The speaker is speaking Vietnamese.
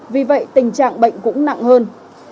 vì vậy tình trạng bệnh cũng nặng hơn